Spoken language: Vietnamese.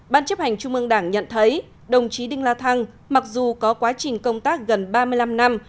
ban chấp hành trung ương đảng nhận thấy đồng chí đinh la thăng mặc dù có quá trình công tác gần ba mươi năm năm